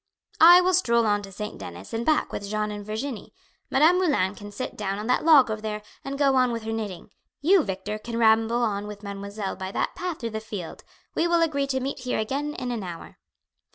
"I will stroll on to St. Denis and back with Jeanne and Virginie; Madame Moulin can sit down on that log over there, and go on with her knitting; you, Victor, can ramble on with mademoiselle by that path through the field; we will agree to meet here again in an hour."